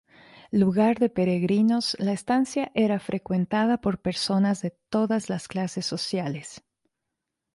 Lugar de peregrinos, la estancia era frecuentada por personas de todas las clases sociales.